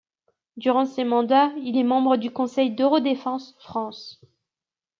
Durant ces mandats, il est membre du conseil d'EuroDéfense France.